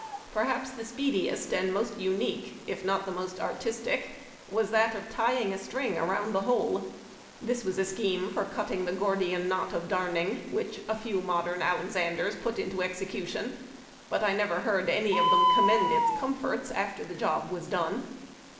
Perhaps the speediest and most unique, if not the most artistic, was that of tying a string around the hole. This was a scheme for cutting the Gordian knot of darning, which a few modern Alexanders put into execution. But I never heaixl any of them commend its comforts after the jcdj was done.